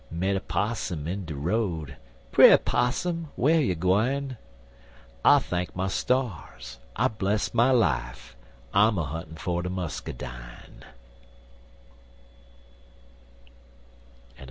Met a 'possum in de road Bre' 'Possum, whar you gwine? I thank my stars, I bless my life, I'm a huntin' for de muscadine.